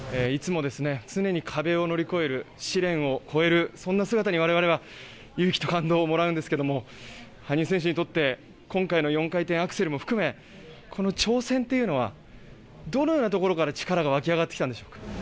いつも常に壁を乗り越える試練を超えるそんな姿に我々は勇気と感動をもらうんですけども羽生選手にとって今回の４回転アクセルも含めこの挑戦というのはどのようなところから力が湧き上がってきたんでしょうか？